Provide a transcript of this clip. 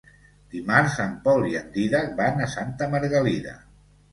Dimarts en Pol i en Dídac van a Santa Margalida.